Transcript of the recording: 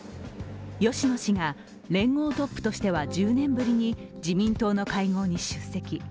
芳野氏が連合トップとしては１０年ぶりに自民党の会合に出席。